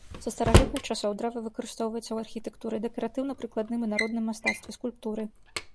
Са старажытных часоў дрэва выкарыстоўваецца ў архітэктуры, дэкаратыўна-прыкладным і народным мастацтве, скульптуры.